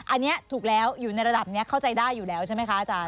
อันนี้ถูกแล้วอยู่ในระดับนี้เข้าใจได้อยู่แล้วใช่ไหมคะอาจารย